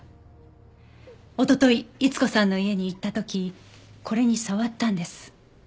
おととい逸子さんの家に行った時これに触ったんです。